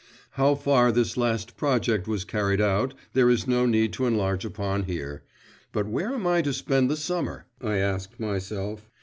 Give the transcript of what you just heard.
How far this last project was carried out, there is no need to enlarge upon here … 'But where am I to spend the summer?' I asked myself.